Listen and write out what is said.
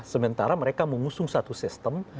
sementara mereka mengusung satu sistem